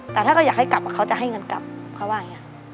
แต่ถ้าเขาอยากให้กลับเขาจะให้เงินกลับเขาว่าอย่างนี้